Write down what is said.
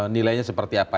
nilainya seperti apa